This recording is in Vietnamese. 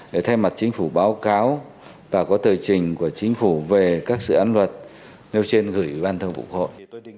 để thay mặt chính phủ báo cáo và có thời trình của chính phủ về các dự án luật nêu trên gửi ban thư của quốc hội